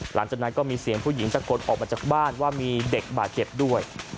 หลังจากนั้นก็มีเสียงผู้หญิงตะโกนออกมาจากบ้านว่ามีเด็กบาดเจ็บด้วย